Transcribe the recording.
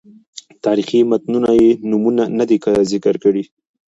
تاریخي متونو یې نومونه نه دي ذکر کړي.